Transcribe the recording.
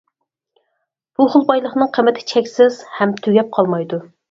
بۇ خىل بايلىقنىڭ قىممىتى چەكسىز ھەم تۈگەپ قالمايدۇ.